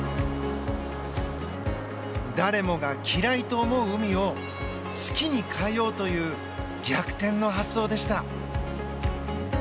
誰もが嫌いと思う海を好きに変えようという逆転の発想でした。